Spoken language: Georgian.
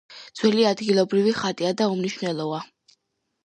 ძეგლი ადგილობრივი ხატია და უმნიშვნელოა.